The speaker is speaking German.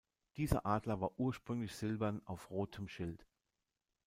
Dieser Adler war ursprünglich silbern auf rotem Schild.